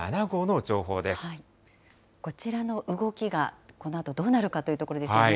こちらの動きが、このあとどうなるかというところですよね。